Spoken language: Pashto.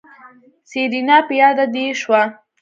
سېرېنا په ياده دې شوه.